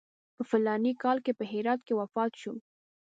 په فلاني کال کې په هرات کې وفات شو.